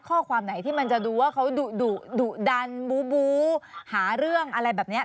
ข้อความไหนที่มันจะดูว่าเขาดุดุดันบูหาเรื่องอะไรแบบนี้